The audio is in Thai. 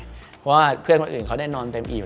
เพราะว่าเพียงกันอื่นเขาได้นอนเต็มอีบ